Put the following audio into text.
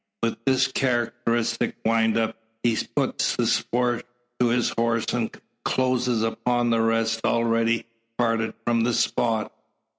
With this characteristic wind up, he puts the spur to his horse, and closes upon the rest already parted from the spot.